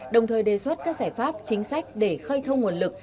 đồng thời đề xuất các giải pháp chính sách để khơi thông nguồn lực